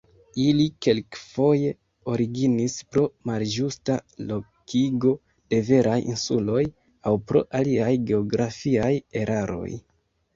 Ili kelkfoje originis pro malĝusta lokigo de veraj insuloj, aŭ pro aliaj geografiaj eraroj.